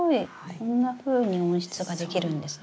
こんなふうに温室ができるんですね。